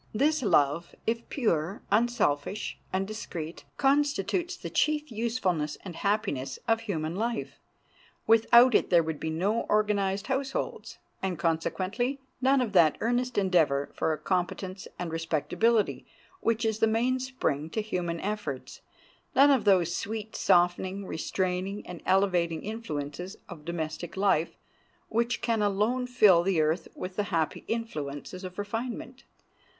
This love, if pure, unselfish, and discreet, constitutes the chief usefulness and happiness of human life. Without it there would be no organized households, and, consequently, none of that earnest endeavor for a competence and respectability, which is the mainspring to human efforts, none of those sweet, softening, restraining, and elevating influences of domestic life, which can alone fill the earth with the happy influences of refinement.